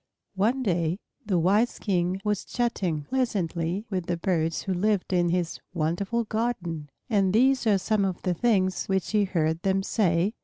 One day the wise King was chatting pleasantly with the birds who lived in his wonderful garden, and these are some of the things which he heard them say.